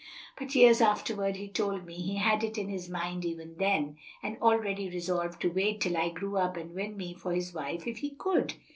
But years afterward he told me he had it in his mind even then; had already resolved to wait till I grew up and win me for his wife if he could."